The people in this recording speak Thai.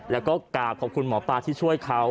แล้วก็กราบขอบคุณหมอปลาที่ช่วยเขา